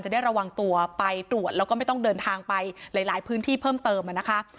ได้ระวังตัวไปตรวจแล้วก็ไม่ต้องเดินทางไปหลายพื้นที่เพิ่มเติมนะคะ